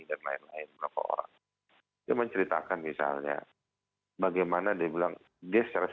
dan lain lain beberapa orang dia menceritakan misalnya bagaimana dia bilang dia secara